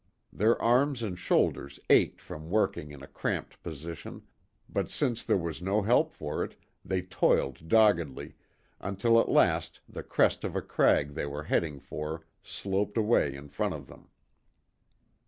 Their arms and shoulders ached from working in a cramped position, but since there was no help for it, they toiled doggedly, until at last the crest of a crag they were heading for sloped away in front of them.